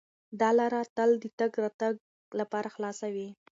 دا لاره تل د تګ راتګ لپاره خلاصه وي.